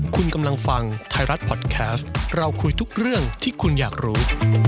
คุณกำลังฟังไทยรัฐพอดแคสต์เราคุยทุกเรื่องที่คุณอยากรู้